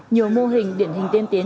nhiều mô hình điển hình tiên tiến